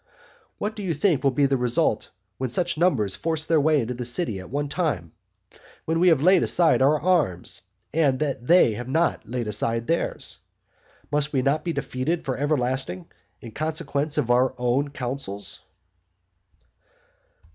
What do you think will be the result when such numbers force their way into the city at one time? when we have laid aside our arms and they have not laid aside theirs? Must we not be defeated for everlasting, in consequence of our own counsels?